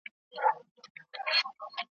پل یې هېر دی له دښتونو یکه زار له جګو غرونو ,